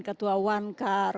ketua wan kar